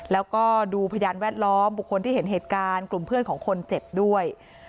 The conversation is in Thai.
แล้วก็ดูพยานแวดล้อมบุคคลที่เห็นเหตุการณ์กลุ่มเพื่อนของคนเจ็บด้วย